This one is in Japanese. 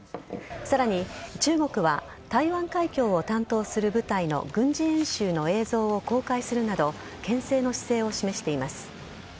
さらに中国は、台湾海峡を担当する部隊の軍事演習の映像を公開するなど、けん制の姿勢を示しています。